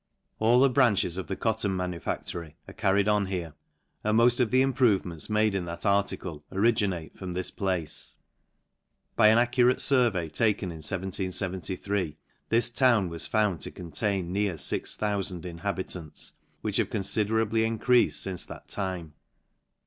All the branches of the cotton manufactory are. carried on here, and moft of the, improvements made in that article, originate from this place. By an accurate furvey, taken in 177?,. this town was found to contain near 6oco inhabi tants, which have confiderably encreafed fince that, time.